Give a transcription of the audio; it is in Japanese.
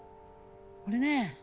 俺ね